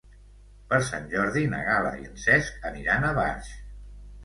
Per Sant Jordi na Gal·la i en Cesc aniran a Barx.